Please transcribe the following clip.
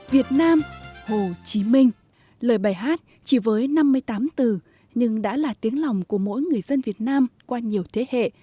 việt nam hồ chí minh lời bài hát chỉ với năm mươi tám từ nhưng đã là tiếng lòng của mỗi người dân việt nam qua nhiều thế hệ